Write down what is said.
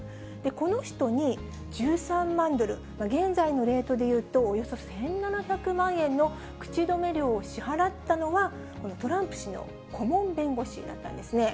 この人に１３万ドル、現在のレートでいうと、およそ１７００万円の口止め料を支払ったのは、トランプ氏の顧問弁護士だったんですね。